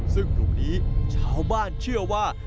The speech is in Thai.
ซึ่งปรุงนี้เช้าบ้านเชื่อว่า